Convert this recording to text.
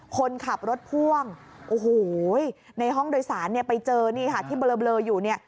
คนขับรถพ่วงโอ้โหในห้องโดยสารเนี่ยไปเจอนี่ค่ะที่เบลออยู่เนี่ย